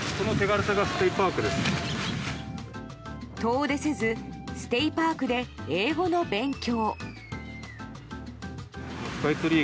遠出せずステイパークで英語の勉強。